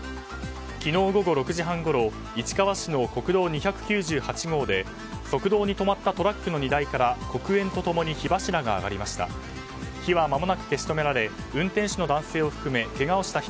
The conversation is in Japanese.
昨日午後６時半ごろ市川市の国道２９８号で側道に止まったトラックの荷台から黒煙と共に火柱が上がりました。